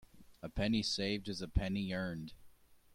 A penny saved is a penny earned.